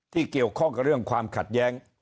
ที่เกี่ยวข้องกับเรื่องความขัดแย้ง